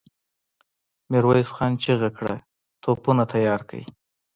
ميرويس خان چيغه کړه! توپونه تيار کړئ!